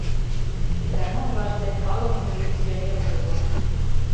— Икана олаште палыме милиционерым ужым.